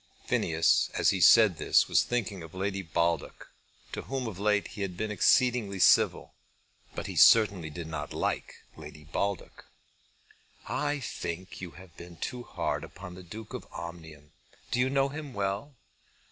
Phineas as he said this was thinking of Lady Baldock, to whom of late he had been exceedingly civil, but he certainly did not like Lady Baldock. "I think you have been too hard upon the Duke of Omnium. Do you know him well?"